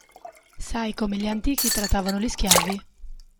Sai come gli antichi trattavano gli schiavi?